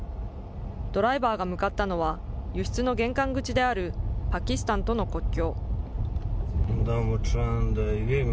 ドライバーが向かったのは、輸出の玄関口であるパキスタンとの国境。